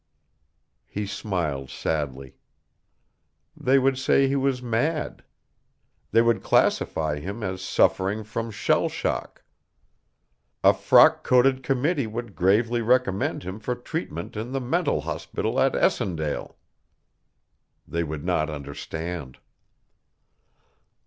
He smiled sadly. They would say he was mad. They would classify him as suffering from shell shock. A frock coated committee would gravely recommend him for treatment in the mental hospital at Essondale. They would not understand.